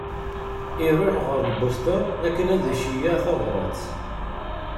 Iruḥ ɣer lbuṣta akken ad iceyyeε tabrat.